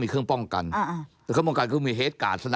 เครื่องป้องกันคือมีเหตุการณ์สนับหลัง